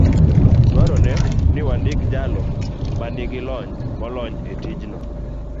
dwarore ni wandik jalo man gi lony molony e tijno.